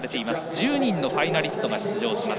１０人のファイナリストが登場します。